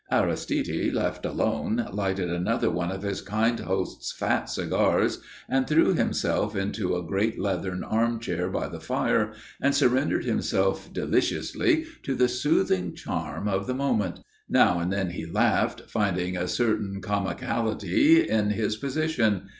Aristide, left alone, lighted another of his kind host's fat cigars and threw himself into a great leathern arm chair by the fire, and surrendered himself deliciously to the soothing charm of the moment. Now and then he laughed, finding a certain comicality in his position.